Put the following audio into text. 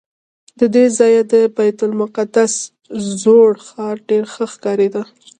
له دې ځایه د بیت المقدس زوړ ښار ډېر ښه ښکارېده.